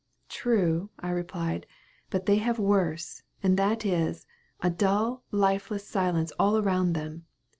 "True," I replied, "but they have what is worse and that is, a dull, lifeless silence all around them.